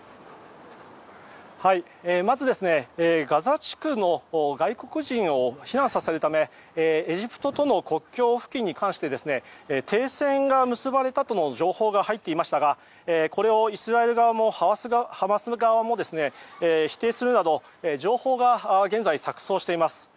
まず、ガザ地区の外国人を避難させるためエジプトとの国境付近に関して停戦が結ばれたとの情報が入っていましたがこれを、イスラエル側もハマス側も否定するなど情報が現在、錯綜しています。